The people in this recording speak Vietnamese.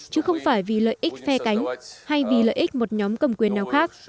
chứ không phải vì lợi ích phe cánh hay vì lợi ích một nhóm cầm quyền nào khác